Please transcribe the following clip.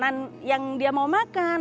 atau memfoto makanan yang dia mau makan